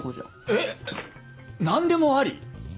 えっ！？何でもあり？